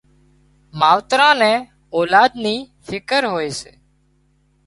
ماوتران نين اولاد نِي فڪر هوئي سي